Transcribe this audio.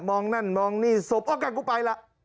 มองนั่นมองนี่สบโอเคกูไปแล้ว